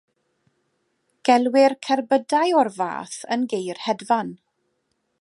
Gelwir cerbydau o'r fath yn geir hedfan.